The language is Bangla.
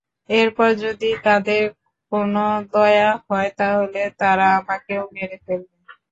এরপর যদি তাদের কোন দয়া হয়, তাহলে তারা আমাকেও মেরে ফেলবে।